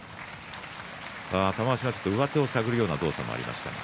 玉鷲は上手を探るような動作もありました。